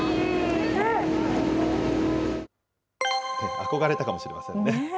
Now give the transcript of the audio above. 憧れたかもしれませんね。